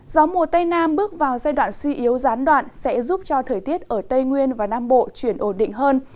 gió mùa tây nam bước vào giai đoạn suy yếu gián đoạn sẽ giúp cho thời tiết ở tây nguyên và nam bộ chuyển ổn định hơn